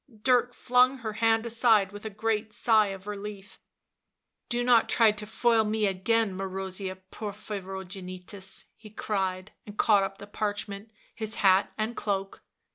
Dirk flung her hand aside with a great sigh of relief. " Do not try to foil me again, Marozia Porphyro genitus," he cried, and caught up the parchment, his hat and cloak.